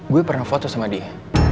gue pernah foto sama dia